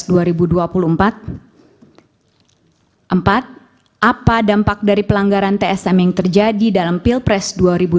empat apa dampak dari pelanggaran tsm yang terjadi dalam pilpres dua ribu dua puluh